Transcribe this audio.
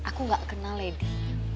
aku gak kenal lady